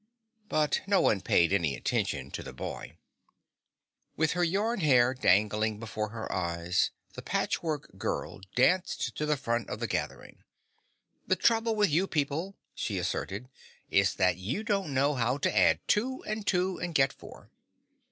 But no one paid any attention to the boy. With her yarn hair dangling before her eyes, the Patchwork Girl danced to the front of the gathering. "The trouble with you people," she asserted, "is that you don't know how to add two and two and get four."